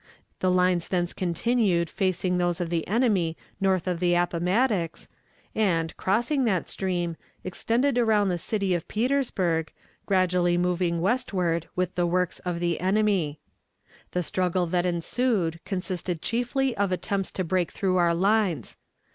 The lines thence continued facing those of the enemy north of the Appomattox, and, crossing that stream, extended around the city of Petersburg, gradually moving westward with the works of the enemy. The struggle that ensued consisted chiefly of attempts to break through our lines.